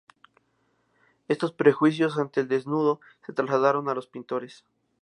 Estos prejuicios ante el desnudo se trasladaron a los pintores incidiendo en su formación.